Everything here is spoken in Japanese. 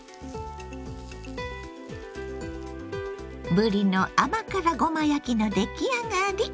ぶりの甘辛ごま焼きの出来上がり！